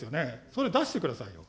それ、出してくださいよ。